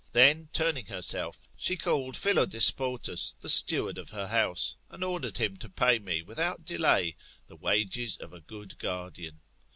Then turning herself, she called Philodespotus^, the steward of her house, and ordered him to pay me, without delay, the wages of a good guardian.